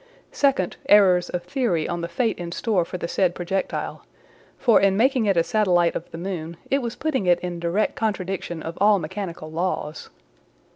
Second, errors of theory on the fate in store for the said projectile; for in making it a satellite of the moon, it was putting it in direct contradiction of all mechanical laws.